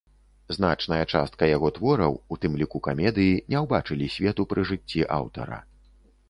Значная частка яго твораў, у тым ліку камедыі, не ўбачылі свету пры жыцці аўтара.